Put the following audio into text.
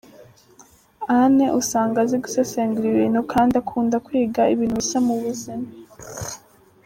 Anne usanga azi gusesengura ibintu kandi akunda kwiga ibintu bishya mu buzima.